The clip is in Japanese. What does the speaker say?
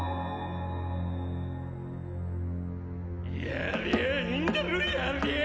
やりゃあいいんだろやりゃあ！！